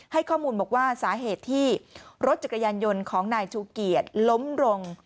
ให้ข้อมูลบอกว่าสาเหตุที่รถจักรยานยนต์ของนายชูเกียจล้มลง